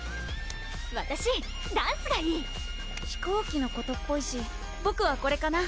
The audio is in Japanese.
わたしダンスがいい飛行機のことっぽいしボクはこれかな